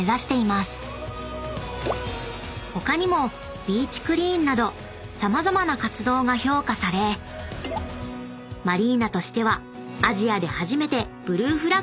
［他にもビーチクリーンなど様々な活動が評価されマリーナとしてはアジアで初めてブルーフラッグを取得しました］